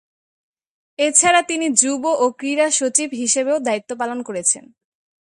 এছাড়া তিনি যুব ও ক্রীড়া সচিব হিসেবেও দায়িত্ব পালন করেছেন।